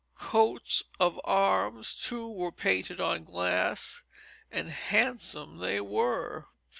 Coats of arms, too, were painted on glass, and handsome they were.